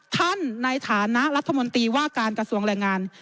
ท่านในฐานะรัฐมนตรีว่าการกระทรวงแรงงาน